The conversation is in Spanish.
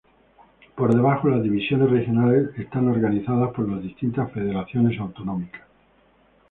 Por debajo, las divisiones regionales son organizadas por las distintas federaciones autonómicas.